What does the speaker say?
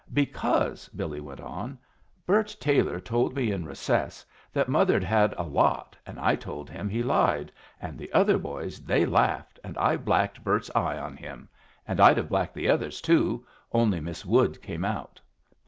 "Because," Billy went on, "Bert Taylor told me in recess that mother'd had a lot, and I told him he lied, and the other boys they laughed and I blacked Bert's eye on him, and I'd have blacked the others too, only Miss Wood came out.